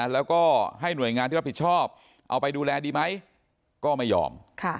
แล้วก็ให้หน่วยงานที่รับผิดชอบเอาไปดูแลดีไหมก็ไม่ยอม